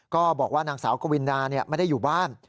ก็บอกว่านางสาวกวินดาไม่ได้อยู่บ้าน